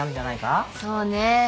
そうね。